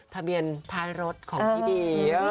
ทะเบียนท้ายรถของพี่บี